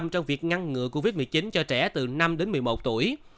trong việc ngăn ngựa covid một mươi chín cho trẻ từ năm đến một mươi một tuổi